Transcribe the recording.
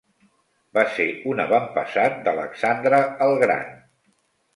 Va ser un avantpassat d'Alexandre el Gran.